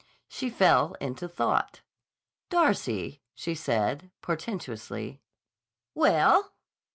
She fell into thought. "Darcy," she said portentously. "Well?"